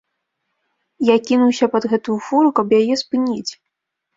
Я кінуўся пад гэтую фуру, каб яе спыніць.